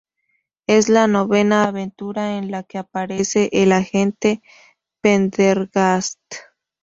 Es la novena aventura en la que aparece el agente Pendergast.